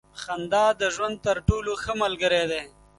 • خندا د ژوند تر ټولو ښه ملګری دی.